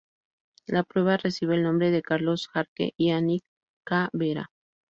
La prueba recibe el nombre de Carlos Jarque y Anil K. Bera.